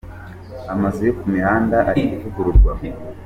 Amazu yo ku mihanda ari kuvugururwa.